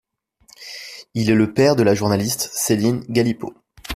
Il est le père de la journaliste Céline Galipeau.